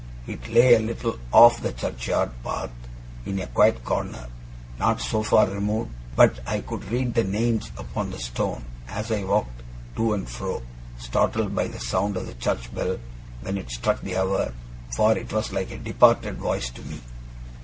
It lay a little off the churchyard path, in a quiet corner, not so far removed but I could read the names upon the stone as I walked to and fro, startled by the sound of the church bell when it struck the hour, for it was like a departed voice to me.